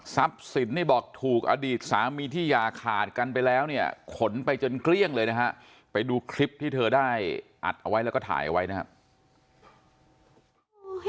สินนี่บอกถูกอดีตสามีที่อย่าขาดกันไปแล้วเนี่ยขนไปจนเกลี้ยงเลยนะฮะไปดูคลิปที่เธอได้อัดเอาไว้แล้วก็ถ่ายเอาไว้นะครับ